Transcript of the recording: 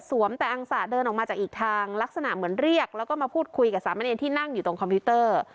แต่อังสะเดินออกมาจากอีกทางลักษณะเหมือนเรียกแล้วก็มาพูดคุยกับสามเนรที่นั่งอยู่ตรงคอมพิวเตอร์